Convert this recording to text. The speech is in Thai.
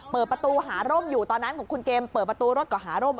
เปิดประตูหาร่มอยู่ตอนนั้นของคุณเกมเปิดประตูรถก็หาร่ม